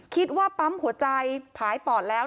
คิดว่าปั๊มหัวใจผายปอดแล้ว